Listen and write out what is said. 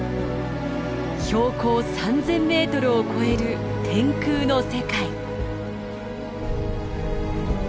標高３，０００メートルを超える天空の世界。